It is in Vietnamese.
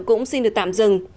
cũng xin được tạm dừng